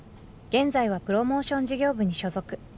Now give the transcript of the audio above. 現在はプロモーション事業部に所属。